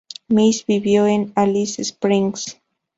Mills vivió en Alice Springs.